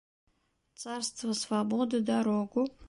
В царство свободы дорогу